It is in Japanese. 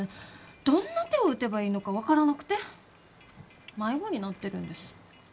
どんな手を打てばいいのか分からなくて迷子になってるんです。